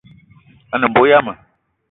A ne mbo yama